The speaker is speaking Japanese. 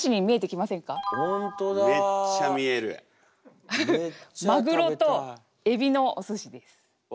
まぐろとえびのおすしです。